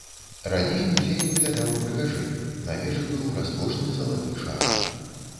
Раней музей выглядаў прыгажэй, на вежы быў раскошны залаты шар.